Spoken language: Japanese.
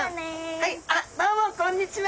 あっどうもこんにちは。